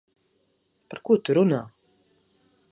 Par ko tu runā?